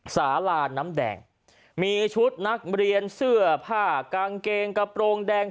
สาราน้ำแดงมีชุดนักเรียนเสื้อผ้ากางเกงกระโปรงแดง